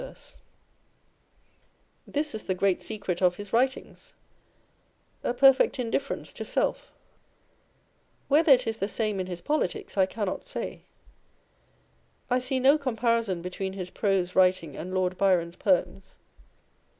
2 G 450 On Old English Writers and Speakers. This is the great secret of his writings â€" a perfect indif ference to self. Whether it is the same in his politics, I cannot say. I see no comparison between his prose writing and Lord Byron's poems.